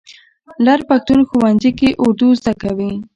لر پښتون ښوونځي کې اردو زده کوي.